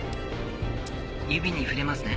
指に触れますね。